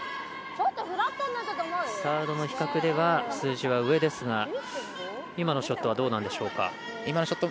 サードの比較では数字は上ですが今のショットはどうなんでしょうか。